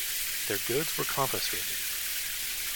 Their goods were confiscated.